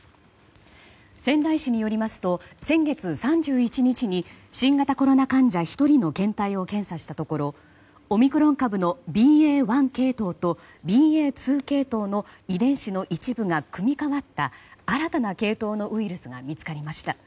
仙台市によりますと先月３１日に新型コロナ患者１人の検体を検査したところオミクロン株のＢＡ．１系統とＢＡ．２系統の遺伝子の一部が組み変わった新たな系統のウイルスが見つかりました。